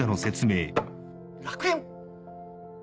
「楽園」。